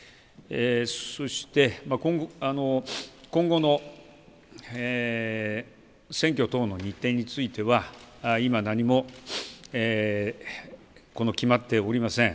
そして今後の選挙等の日程については今、何も決まっておりません。